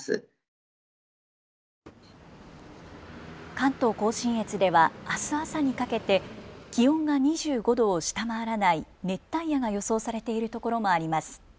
関東甲信越ではあす朝にかけて気温が２５度を下回らない熱帯夜が予想されているところもあります。